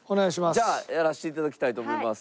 じゃあやらせて頂きたいと思います。